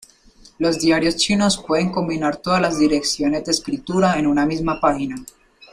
Los diarios chinos pueden combinar todas las direcciones de escritura en una misma página.